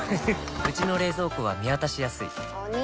うちの冷蔵庫は見渡しやすいお兄！